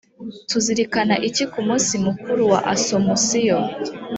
tuzirikana iki ku munsi mukuru wa asomusiyo